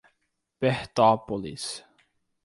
Bertópolis